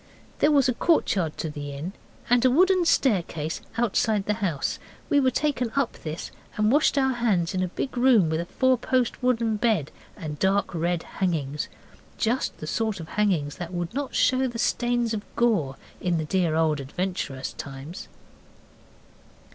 There was a courtyard to the inn and a wooden staircase outside the house. We were taken up this, and washed our hands in a big room with a fourpost wooden bed and dark red hangings just the sort of hangings that would not show the stains of gore in the dear old adventurous times.